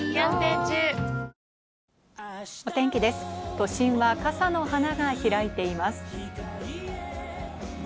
都心は傘の花が開いています。